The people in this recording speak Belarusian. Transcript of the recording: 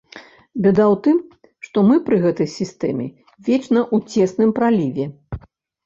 Бяда ў тым, што мы пры гэтай сістэме вечна ў цесным праліве.